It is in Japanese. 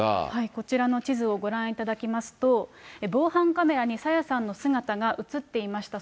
こちらの地図をご覧いただきますと、防犯カメラに朝芽さんの姿が写っていました。